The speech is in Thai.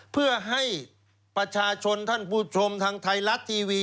เพื่อให้ประชาชนท่านผู้ชมทางไทยรัฐทีวี